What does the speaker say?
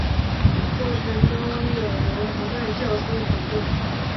过程中有人不断教唆群众